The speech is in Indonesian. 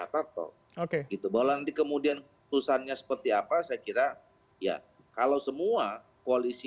tarto oke gitu bahwa nanti kemudian keputusannya seperti apa saya kira ya kalau semua koalisi